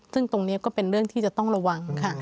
ซึ่งตรงนี้ก็เป็นเรื่องที่จะต้องระวังค่ะ